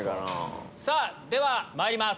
ではまいります。